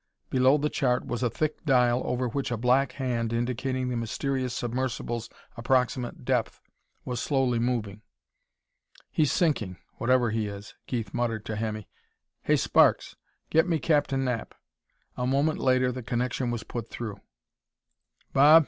Below the chart was a thick dial, over which a black hand, indicating the mysterious submersible's approximate depth, was slowly moving. "He's sinking whatever he is," Keith muttered to Hemmy. "Hey, Sparks! Get me Captain Knapp." A moment later the connection was put through. "Bob?